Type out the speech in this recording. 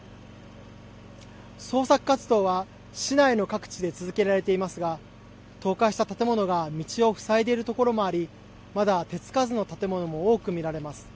捜索活動は市内の各地で続けられていますが倒壊した建物が道を塞いでいる所もありまだ手付かずの建物も多く見られます。